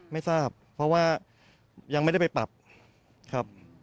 ไม่ทราบเพราะว่ายังไม่ได้ไปปรับครับ